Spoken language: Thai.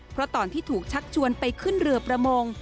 เพราะตอนที่ถูกชักชวนไปขึ้นเรือประมง